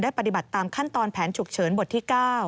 ปฏิบัติตามขั้นตอนแผนฉุกเฉินบทที่๙